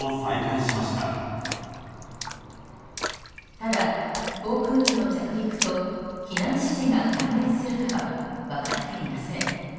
ただ、航空機の着陸と避難指示が関連するかは分かっていません。